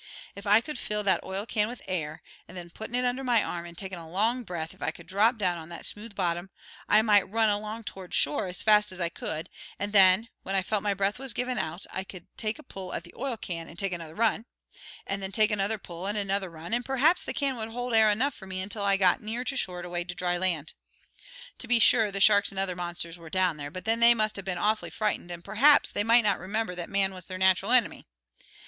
If I could fill that oil can with air, and then puttin' it under my arm and takin' a long breath if I could drop down on that smooth bottom, I might run along toward shore, as far as I could, and then, when I felt my breath was givin' out, I could take a pull at the oil can and take another run, and then take another pull and another run, and perhaps the can would hold air enough for me until I got near enough to shore to wade to dry land. To be sure, the sharks and other monsters were down there, but then they must have been awfully frightened, and perhaps they might not remember that man was their nat'ral enemy.